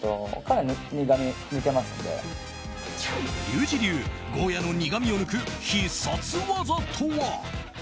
リュウジ流ゴーヤの苦みを抜く必殺技とは？